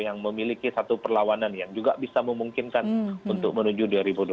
yang memiliki satu perlawanan yang juga bisa memungkinkan untuk menuju dua ribu dua puluh